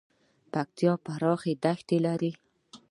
پکتیکا پراخه دښتې لري